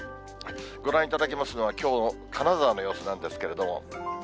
ご覧いただきますのは、きょうの金沢の様子なんですけれども。